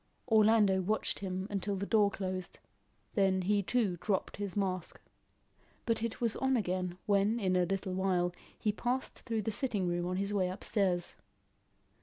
Orlando watched him till the door closed, then he too dropped his mask. But it was on again, when in a little while he passed through the sitting room on his way upstairs.